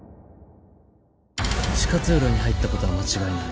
地下通路に入った事は間違いない。